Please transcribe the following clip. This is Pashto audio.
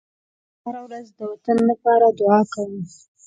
زه هره ورځ د وطن لپاره دعا کوم.